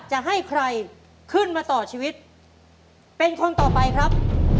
จะให้ใครขึ้นมาต่อชีวิตเป็นคนต่อไปครับ